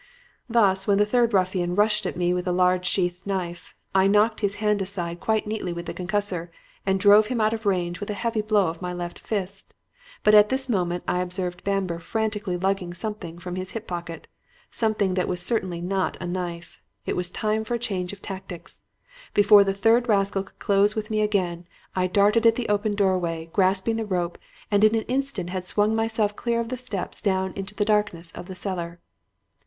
"Thus, when the third ruffian rushed at me with a large sheath knife, I knocked his hand aside quite neatly with the concussor and drove him out of range with a heavy blow of my left fist. But at this moment I observed Bamber frantically lugging something from his hip pocket; something that was certainly not a knife. It was time for a change of tactics. Before the third rascal could close with me again, I darted at the open doorway, grasped the rope, and in an instant had swung myself clear of the steps down into the darkness of the cellar.